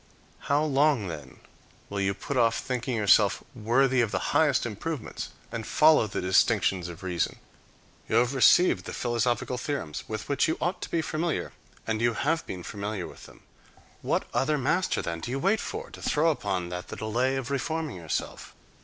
How long, then, will you put off thinking yourself worthy of the highest improvements and follow the distinctions of reason? You have received the philosophical theorems, with which you ought to be familiar, and you have been familiar with them. What other master, then, do you wait for, to throw upon that the delay of reforming yourself?